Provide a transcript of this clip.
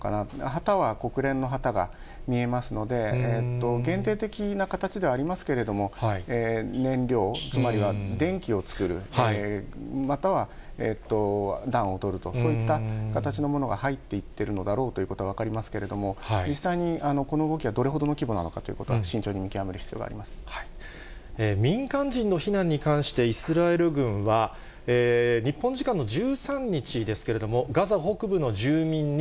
旗は、国連の旗が見えますので、限定的な形ではありますけれども、燃料、つまりは電気を作る、または暖をとると、そういった形のものが入っていってるのだろうということは分かりますけれども、実際にこの動きがどれほどの規模なのかということは、民間人の避難に関してイスラエル軍は、日本時間の１３日ですけれども、ガザ北部の住民に、